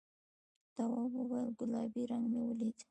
تواب وویل گلابي رنګ مې ولید.